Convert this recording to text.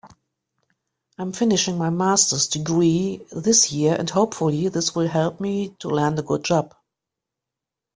I'm finishing my masters degree this year and hopefully this will help me land a good job.